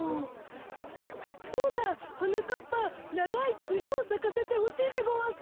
そうだはなかっぱながいつるをさかせてほしいでごわす。